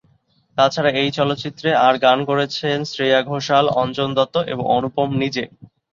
তাছাড়া এই চলচ্চিত্রে আর গান করেছেন শ্রেয়া ঘোষাল, অঞ্জন দত্ত, এবং অনুপম নিজে।